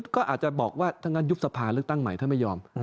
ก็อาจจะบอกว่าถ้างั้นยุบสภาเลือกตั้งใหม่ถ้าไม่ยอม